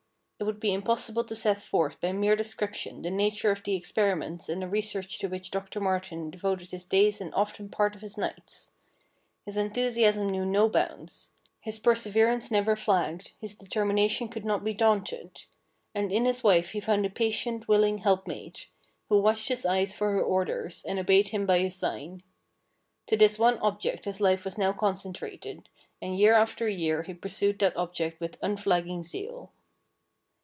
It would be impossible to set forth by mere 310 STORIES WEIRD AND WONDERFUL description the nature of the experiments and the research to which Doctor Martin devoted his days and often part of his nights. His enthusiasm knew no bounds. His persever ance never nagged, his determination could not be daunted. And in his wife he found a patient, willing helpmate, who watched his eyes for her orders, and obeyed him by a sign. To this one object his life was now concentrated, and year after year he pursued that object with unflagging zeal.